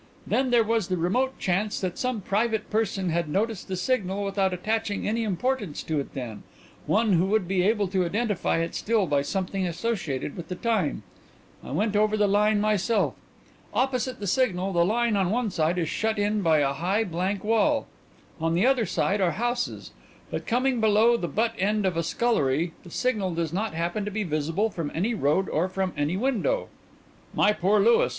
Then there was the remote chance that some private person had noticed the signal without attaching any importance to it then, one who would be able to identify it still by something associated with the time. I went over the line myself. Opposite the signal the line on one side is shut in by a high blank wall; on the other side are houses, but coming below the butt end of a scullery the signal does not happen to be visible from any road or from any window." "My poor Louis!"